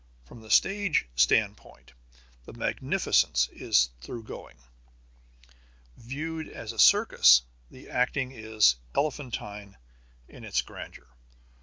From the stage standpoint, the magnificence is thoroughgoing. Viewed as a circus, the acting is elephantine in its grandeur.